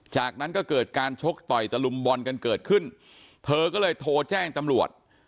จากนั้นก็เกิดการชกต่อยตะลุมบอลกันเกิดขึ้นเธอก็เลยโทรแจ้งตำรวจ